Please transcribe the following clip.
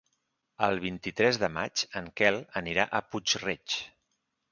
El vint-i-tres de maig en Quel anirà a Puig-reig.